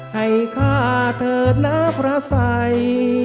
ให้ฆ่าเถิดหน้าพระสัย